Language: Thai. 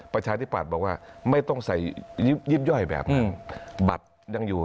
ประชาธิปัตย์บอกว่าไม่ต้องใส่ยิบย่อยแบบนั้นบัตรยังอยู่